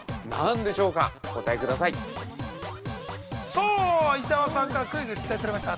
◆さあ、伊沢さんからクイズが出題されました。